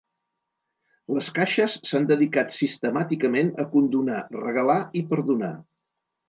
Les caixes s’han dedicat sistemàticament a condonar, regalar i perdonar.